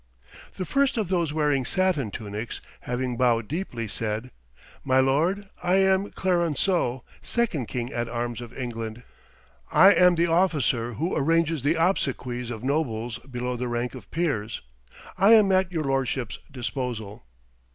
The first of those wearing satin tunics, having bowed deeply, said, "My lord, I am Clarenceaux, Second King at Arms of England. I am the officer who arranges the obsequies of nobles below the rank of peers. I am at your lordship's disposal."